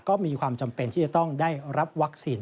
ก็มีความจำเป็นที่จะต้องได้รับวัคซีน